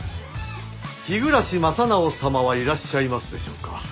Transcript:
日暮正直様はいらっしゃいますでしょうか？